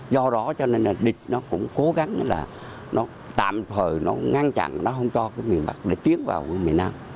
do đó cho nên là địch nó cũng cố gắng là nó tạm thời nó ngăn chặn nó không cho cái miền bắc tiến vào miền nam